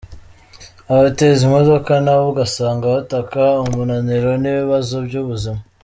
Abateze imodoka nabo ugasanga bataka umunaniro n’ibibazo by’ubuzima.